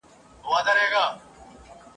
پخوا به نجونو په ښوونځیو کي درس وايه.